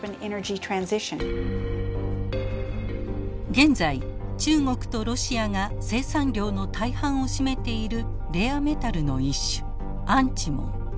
現在中国とロシアが生産量の大半を占めているレアメタルの一種アンチモン。